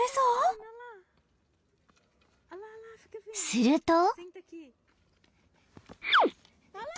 ［すると］